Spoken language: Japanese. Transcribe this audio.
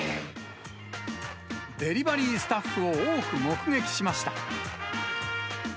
デリバリースタッフを多く目撃しました。